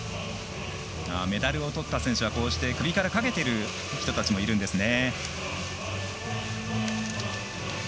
メダルをとった選手は首からかけている人たちもいるんですね。